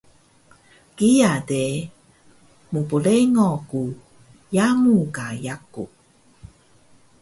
Kiya de mprengo ku yamu ka yaku